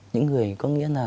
những người có nghĩa là